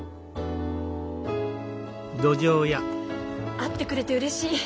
会ってくれてうれしい。